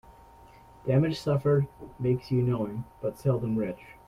Damage suffered makes you knowing, but seldom rich.